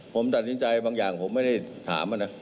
ผมตัดสินใจบางอย่างผมไม่ได้ถามนะ